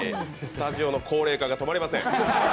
スタジオの高齢化が止まりません。